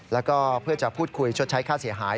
แล้วก็เพื่อจะพูดคุยชดใช้ค่าเสียหาย